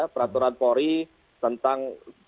peraturan patteri tentang